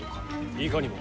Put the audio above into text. いかにも。